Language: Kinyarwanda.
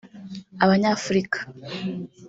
Abanyafurika